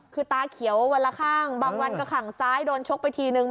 คือตาเขียววันละข้างบางวันก็ขังซ้ายโดนชกไปทีนึง